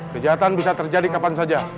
kejahatan bisa terjadi kapan saja